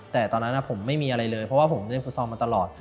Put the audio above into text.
แต่ตอนนั้นผมไม่มีอะไรเลยเพราะว่าผมเล่นฟุตซอลมาตลอด